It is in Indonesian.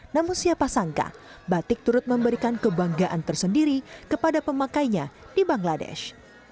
namun siapa sangka batik turut memberikan kebanggaan tersendiri kepada pemakainya di bangladesh